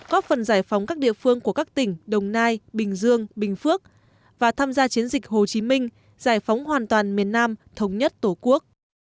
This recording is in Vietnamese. góp phần giải phóng các địa phương của các tỉnh đồng nai bình dương bình phước và tham gia chiến dịch hồ chí minh giải phóng hoàn toàn miền nam thống nhất tổ quốc